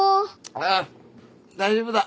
ああ大丈夫だ。